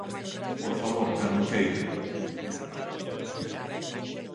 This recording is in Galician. Por favor, cando queira.